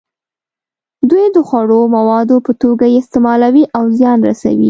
دوی د خوړو موادو په توګه یې استعمالوي او زیان رسوي.